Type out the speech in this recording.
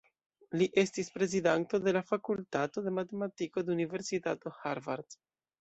Li estis prezidanto de la fakultato de matematiko de Universitato Harvard.